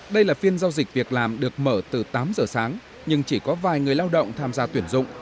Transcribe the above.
đây là phiên giao dịch việc làm được mở từ tám giờ sáng nhưng chỉ có vài người lao động tham gia tuyển dụng